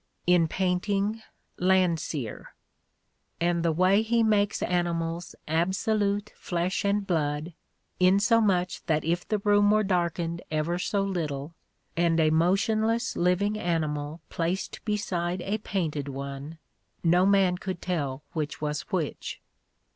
In painting, Landseer — "and the way he makes animals absolute flesh and blood — inso much that if the room were darkened ever so little and a motionless living animal placed beside a painted one, no man could tell which was which."